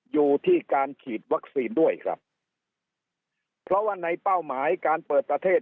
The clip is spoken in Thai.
อยู่ที่การฉีดวัคซีนด้วยครับเพราะว่าในเป้าหมายการเปิดประเทศ